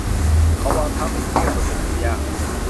เขาวางเท้าเป็นเกลียวบนสนามหญ้า